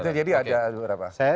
iya jadi ada berapa